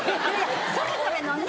それぞれのね